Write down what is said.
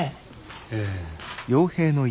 ええ。